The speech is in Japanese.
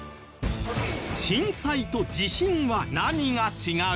震災と地震は何が違う？